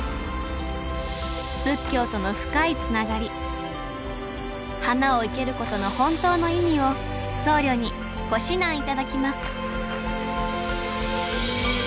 仏教との深いつながり花を生けることの本当の意味を僧侶にご指南頂きます